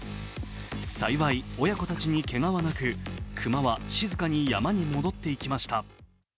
幸い親子たちにけがはなく熊は静かに山に戻っていきました。